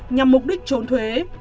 nhằm mục đích trốn thuế